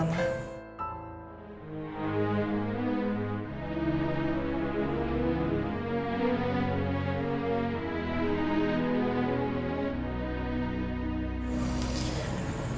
yaudah masuk ya ma